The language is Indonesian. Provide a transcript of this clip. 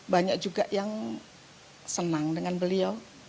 banyak juga yang senang dengan beliau